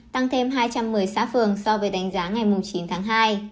tăng thêm hai trăm một mươi xã phường so với đánh giá ngày chín tháng hai